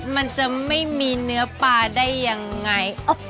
มันจะไม่มีเนื้อปลาได้ยังไง